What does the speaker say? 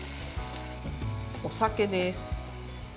お酒です。